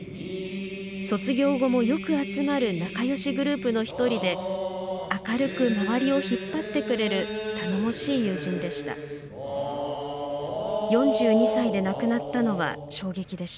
卒業後もよく集まる仲よしグループの１人で明るく、周りを引っ張ってくれる頼もしい友人でした。